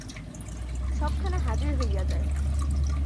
সবখানে হাজির হয়ে যায়।